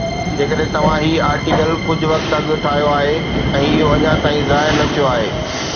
جيڪڏھن توھان ھي آرٽيڪل ڪجھ وقت اڳ ٺاھيو آھي ۽ اھو اڃا تائين ظاهر نه ٿيو آھي